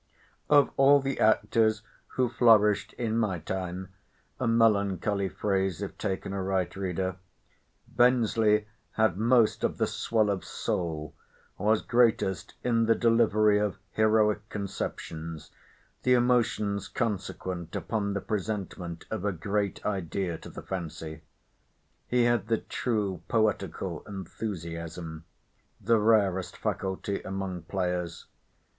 Of all the actors who flourished in my time—a melancholy phrase if taken aright, reader—Bensley had most of the swell of soul, was greatest in the delivery of heroic conceptions, the emotions consequent upon the presentment of a great idea to the fancy. He had the true poetical enthusiasm—the rarest faculty among players.